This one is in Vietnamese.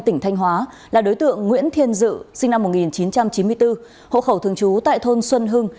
tỉnh thanh hóa là đối tượng nguyễn thiên dự sinh năm một nghìn chín trăm chín mươi bốn hộ khẩu thường trú tại thôn xuân hưng